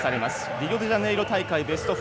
リオデジャネイロ大会ベスト４。